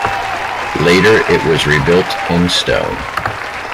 Later it was rebuilt in stone.